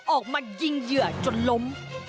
ออกมายิงเหยื่อจนล้ม